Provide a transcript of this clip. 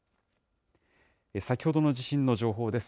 先ほどの地震の情報です。